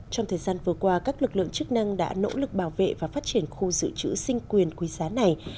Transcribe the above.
trong thời gian vừa qua các lực lượng chức năng đã nỗ lực bảo vệ và phát triển khu dự trữ sinh quyền quý giá này